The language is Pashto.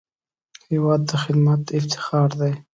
هېواد ته خدمت افتخار دی